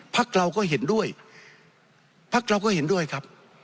พักเราก็เห็นด้วยพักเราก็เห็นด้วยครับ